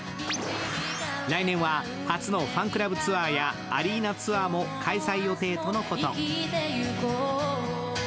来年初のファンクラブツアーやアリーナツアーも開催予定とのこと。